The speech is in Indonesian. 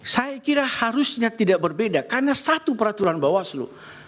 saya kira harusnya tidak berbeda karena satu peraturan bawaslu